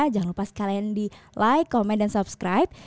jangan lupa sekalian di like komen dan subscribe